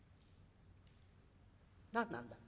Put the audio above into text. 「何なんだい？